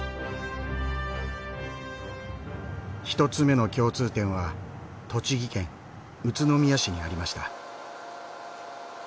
１つ目の共通点は栃木県宇都宮市にありました。